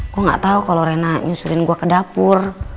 gue nggak tau kalau rena nyusurin gue ke dapur